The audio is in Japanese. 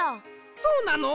そうなの？